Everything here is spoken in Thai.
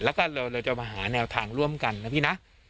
แล้วก็เราจะมาหาแนวทางร่วมกันนะพี่นะ